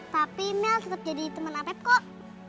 tapi mel tetap jadi teman apep kok